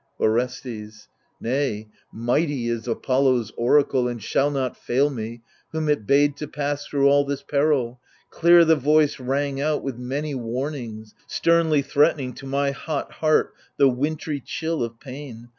Orestes Nay, mighty is Apollo's oracle And shall not fail me, whom it bade to pass Thro' all this peril ; clear the voice rang out With many warnings, sternly threatening To my hot heart the wintry chill of pain.